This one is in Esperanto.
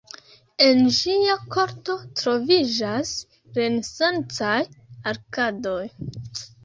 En ĝia korto troviĝas renesancaj arkadoj.